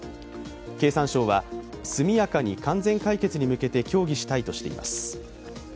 経産省は速やかに完全解決に向けて協議したいとしています。